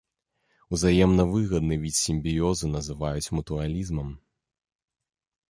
Узаемна выгадны від сімбіёзу называюць мутуалізмам.